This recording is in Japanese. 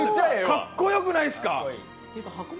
かっこよくないですか？